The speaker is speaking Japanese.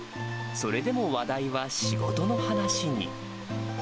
それでも話題は仕事の話に。